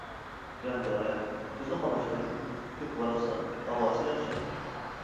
رەڭگارەڭ، كۆزنى قاماشتۇرىدۇ، بۈك-باراقسان، ھاۋاسى ياخشى.